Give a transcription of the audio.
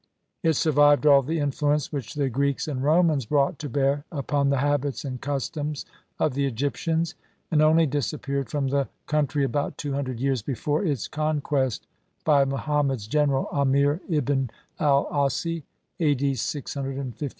It survived all the influence which the Greeks XXXVIII INTRODUCTION. and Romans brought to bear upon the habits and customs of the Egyptians, and only disappeared from the country about two hundred years before its con quest by Muhammad's general c Amr ibn al c Asi, A. D. 658.